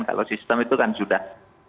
kalau sistem itu kan sudah